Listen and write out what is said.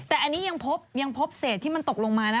แต่อันนี้ยังพบเศษที่มันตกลงมานะ